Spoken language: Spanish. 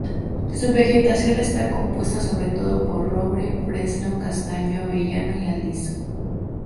Su vegetación está compuesta sobre todo por roble, fresno, castaño, avellano y aliso.